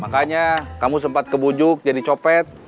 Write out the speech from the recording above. makanya kamu sempat kebujuk jadi copet